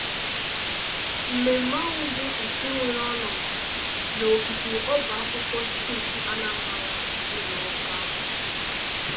Mmemme ahụ bụ nke weere ọnọdụ n'ogige ọba akwụkwọ steeti Anambra dị n'Awka